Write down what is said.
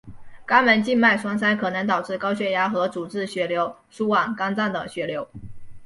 肝门静脉栓塞可能导致高血压和阻滞血流输往肝脏的血流。